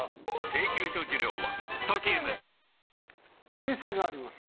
訂正があります。